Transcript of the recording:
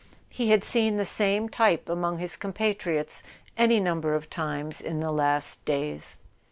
He had seen the same type among his compatriots any number of times in the last days.